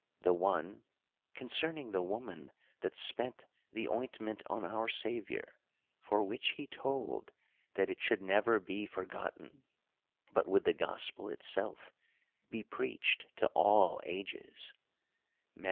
The one, concerning the woman that spent the ointment on our Saviour ; for which he told, that it should never be forgotten, but with the gospel itself be preached to all ages (Matt.